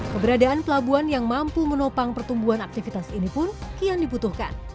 keberadaan pelabuhan yang mampu menopang pertumbuhan aktivitas ini pun kian dibutuhkan